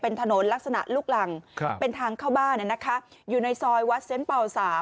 เป็นถนนลักษณะลูกหลังเป็นทางเข้าบ้านอยู่ในซอยวัดเซ็นต์เป่า๓